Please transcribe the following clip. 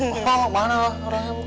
oh mana orangnya bu